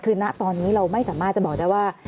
คือณตอนนี้เราไม่สามารถจะบอกได้ว่า